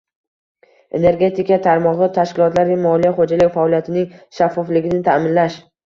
energetika tarmog‘i tashkilotlari moliya-xo‘jalik faoliyatining shaffofligini ta’minlash;